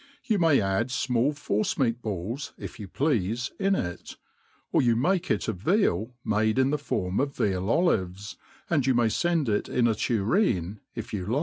You may add fmall force nieac balls, if you ploafe, in it \ or you make it df veal made in the form of veal olives 3 and you may fend it ih a tureenj if you